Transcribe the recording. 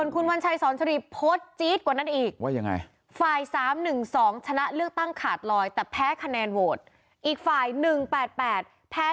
ครับค่ะ๘ชนะคะแนนโบสถ์